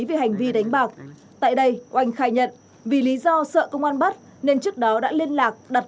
về hành vi đánh bạc tại đây oanh khai nhận vì lý do sợ công an bắt nên trước đó đã liên lạc đặt